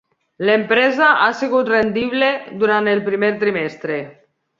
L'empresa ha sigut rendible durant el primer trimestre.